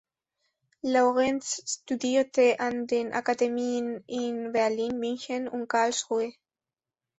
Laurenz studierte an den Akademien in Berlin, München und Karlsruhe.